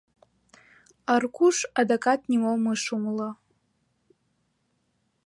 — Аркуш адакат нимом ыш умыло.